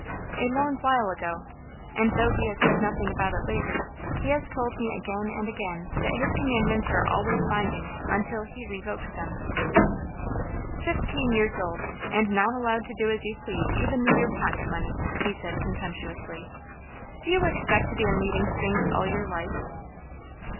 "A long while ago; and though he has said nothing about it lately, he has told me again and again that his commands are always binding until he revokes them." "Fifteen years old, and not allowed to do as you please even with your pocket money!" he said contemptuously. "Do you expect to be in leading strings all your life?"